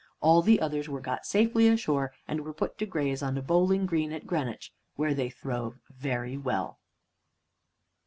All the others were got safely ashore, and were put to graze on a bowling green at Greenwich, where they throve very well.